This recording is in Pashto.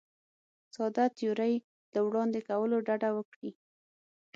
ساده تیورۍ له وړاندې کولو ډډه وکړي.